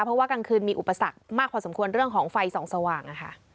เพราะว่ากลางคืนมีอุปสรรคมากพอสมควรเรื่องของไฟส่องสว่าง